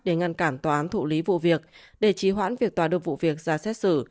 để ngăn cản tòa án thụ lý vụ việc để trí hoãn việc tòa được vụ việc ra xét xử